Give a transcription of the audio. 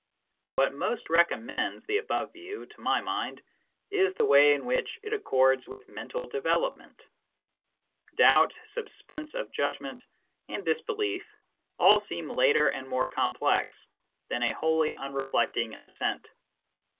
What most recommends the above view, to my mind, is the way in which it accords with mental development. Doubt, suspense of judgment, and disbelief all seem later and more complex than a wholly unreflecting assent.